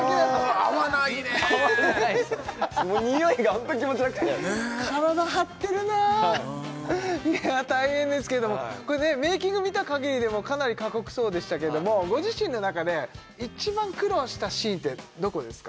においがホント気持ち悪くて体張ってるないや大変ですけれどもこれメーキング見たかぎりでもかなり過酷そうでしたけどもご自身の中で一番苦労したシーンってどこですか？